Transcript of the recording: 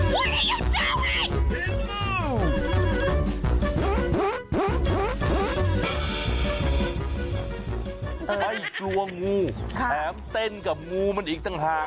ไม่กลัวงูแถมเต้นกับงูมันอีกต่างหาก